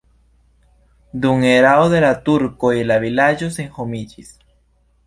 Dum erao de la turkoj la vilaĝo senhomiĝis.